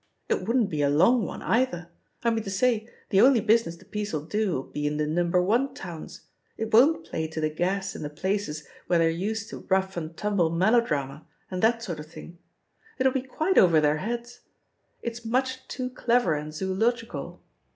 It wouldn't be a long one either — I mean to say, the only busi ness the piece'U do'U be in the No. 1 towns; it won't play to the gas in the places where they're used to rough and tumble melodrama and that sort of thing — ^it'U be quite over their heads — ^it's much too clever and zoological.